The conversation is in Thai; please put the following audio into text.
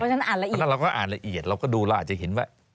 เพราะฉะนั้นอ่านละเอียดเราก็อ่านละเอียดเราก็ดูแล้วอาจจะเห็นว่า